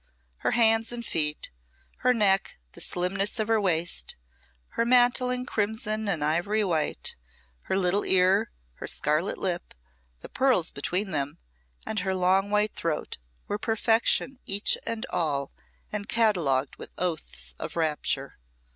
Her hands and feet, her neck, the slimness of her waist, her mantling crimson and ivory white, her little ear, her scarlet lip, the pearls between them and her long white throat, were perfection each and all, and catalogued with oaths of rapture.